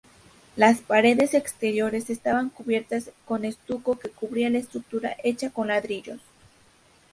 Las paredes exteriores estaban cubiertas con estuco que cubrían la estructura hecha con ladrillos.